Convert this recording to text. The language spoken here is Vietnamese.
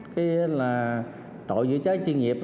cái là tội giữa cháy chuyên nghiệp